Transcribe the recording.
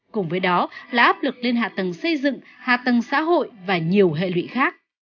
cùng với đó là áp lực lên hạ tầng xây dựng hạ tầng xã hội và nhiều hệ lụy khác